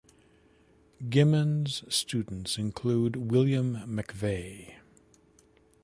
Gimond's students include William McVey.